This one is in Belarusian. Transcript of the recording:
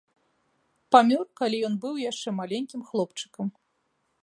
Памёр, калі ён быў яшчэ маленькім хлопчыкам.